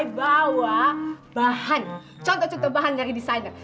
bawa bahan contoh contoh bahan dari desainer